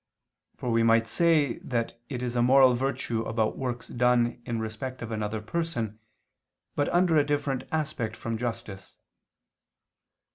For we might say that it is a moral virtue about works done in respect of another person, but under a different aspect from justice.